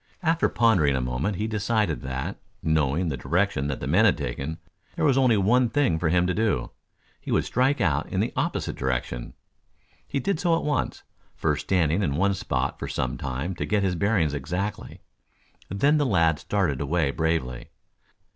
After pondering a moment he decided that, knowing the direction the men had taken, there was only one thing for him to do. He would strike out in the opposite direction. He did so at once, first standing in one spot for some time to get his bearings exactly. Then, the lad started away bravely.